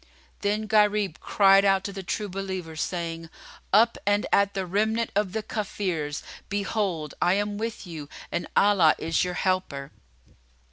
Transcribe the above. Then Gharib cried out to the True Believers, saying, "Up and at the remnant of the Kafirs! Behold I am with you, and Allah is your helper!"